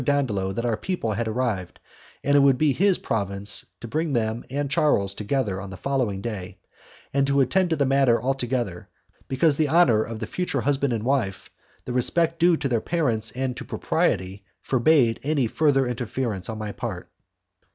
Dandolo that our people had arrived, that it would be his province to bring them and Charles together on the following day, and to attend to the matter altogether, because the honour of the future husband and wife, the respect due to their parents and to propriety, forbade any further interference on my part.